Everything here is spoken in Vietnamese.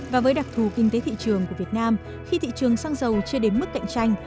và với đặc thù kinh tế thị trường của việt nam khi thị trường xăng dầu chưa đến mức cạnh tranh